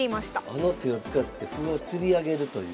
あの手を使って歩をつり上げるという。